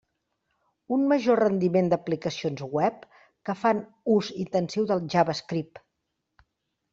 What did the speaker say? Un major rendiment d'aplicacions web que fan ús intensiu del JavaScript.